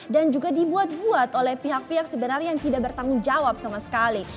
dan juga dibuat buat oleh pihak pihak sebenarnya yang tidak bertanggung jawab sama sekali